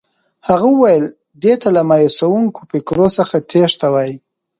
هغه وویل دې ته له مایوسوونکو فکرو څخه تېښته وایي.